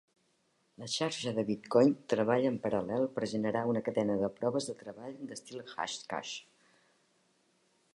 La xarxa de bitcoin treballa en paral·lel per generar una cadena de proves de treball d'estil Hashcash.